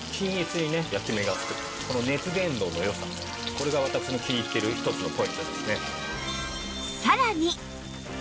これが私の気に入ってる一つのポイントですね。